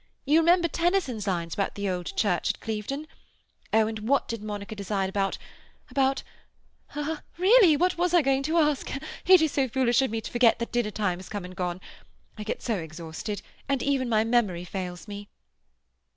You remember Tennyson's lines about the old church at Clevedon? Oh, and what did Monica decide about—about—really, what was I going to ask? It is so foolish of me to forget that dinner time has come and gone. I get so exhausted, and even my memory fails me."